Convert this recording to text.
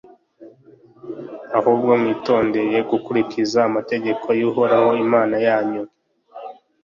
ahubwo mwitondeye gukurikiza amategeko y'uhoraho, imana yanyu